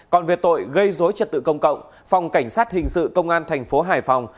còn về tội gây dối trật tự công cộng phòng cảnh sát hình sự công an tp hải phòng